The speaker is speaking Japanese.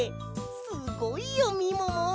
すごいよみもも！